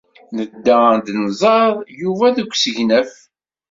Nedda ad d-nẓer Yuba deg usegnaf.